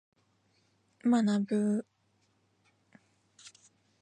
学ぶ。